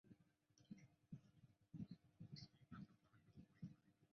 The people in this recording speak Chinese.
他获得指派参选奥姆斯克。